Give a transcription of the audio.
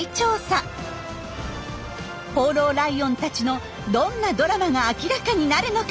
放浪ライオンたちのどんなドラマが明らかになるのか。